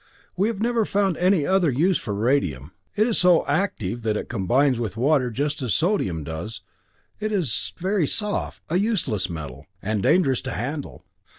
We have never found any other use for radium it is so active that it combines with water just as sodium does; it is very soft a useless metal, and dangerous to handle.